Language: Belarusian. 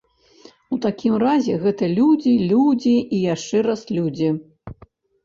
У такім разе гэта людзі, людзі і яшчэ раз людзі.